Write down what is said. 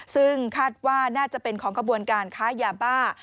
ซึ่งคาดว่าน่าจะเป็นของขบวนการค้ายาบ้า